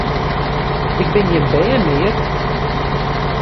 Ik bin gjin bern mear!